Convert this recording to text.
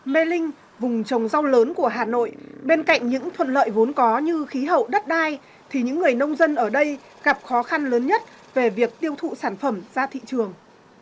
mê linh vùng trồng rau lớn của hà nội bên cạnh những thuận lợi vốn có như khí hậu đất đai thì những người nông dân ở đây gặp khó khăn lớn nhất về việc tiêu thụ sản phẩm ra thị trường